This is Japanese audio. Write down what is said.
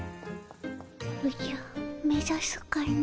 おじゃ目ざすかの。